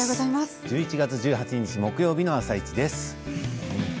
１１月１８日木曜日の「あさイチ」です。